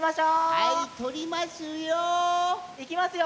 はいとりますよ。いきますよ。